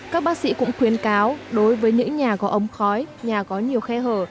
các bác sĩ cũng khuyến cáo đối với những nhà có ống khói nhà có nhiều khe hở